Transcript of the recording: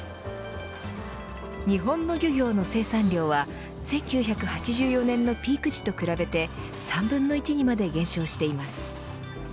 日本の漁業の生産量は１９８４年のピーク時と比べて３分の１にまで減少しています。